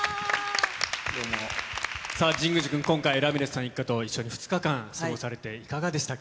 さあ、神宮寺君、今回、ラミレスさん一家と一緒に２日間過ごされていかがでしたか？